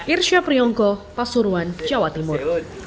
irsyaf riongko pasuruan jawa timur